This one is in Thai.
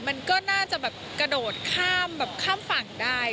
มันก็น่าจะแบบกระโดดข้ามแบบข้ามฝั่งได้